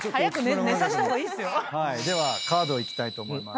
ではカードいきたいと思います。